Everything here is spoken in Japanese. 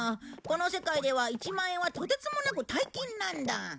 この世界では１万円はとてつもなく大金なんだ。